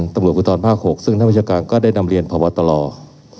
ตำรวจภูทรภาค๖ซึ่งท่านวิชาการก็ได้นำเรียนพบตร